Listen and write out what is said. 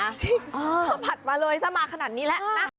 ข้าวผัดมาเลยสมาขนาดนี้แหละ